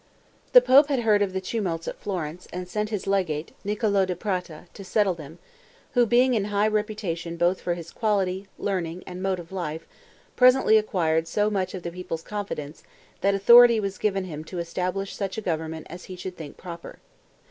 The pope had heard of the tumults at Florence, and sent his legate, Niccolo da Prato, to settle them, who, being in high reputation both for his quality, learning, and mode of life, presently acquired so much of the people's confidence, that authority was given him to establish such a government as he should think proper.